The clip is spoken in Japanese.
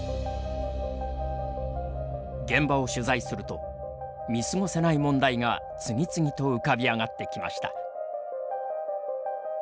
現場を取材すると見過ごせない問題が次々と浮かび上がってきました。